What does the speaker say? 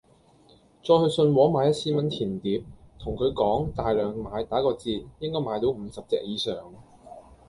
再去信和買一千蚊甜碟，同佢講大量買打個折，應該買到五十隻以上